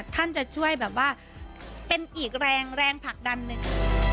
ท่านจะช่วยแบบว่าเป็นอีกแรงแรงผลักดันหนึ่ง